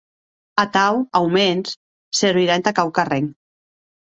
Atau, aumens, servirà entà quauquarren.